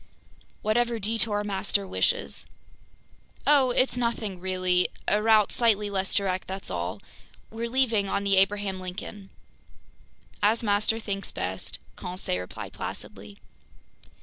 "Whatever detour master wishes." "Oh, it's nothing really! A route slightly less direct, that's all. We're leaving on the Abraham Lincoln." "As master thinks best," Conseil replied placidly.